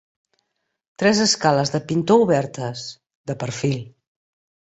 Tres escales de pintor obertes, de perfil.